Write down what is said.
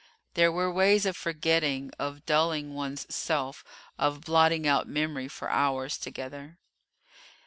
There were ways of forgetting, of dulling one's self, of blotting out memory for hours together.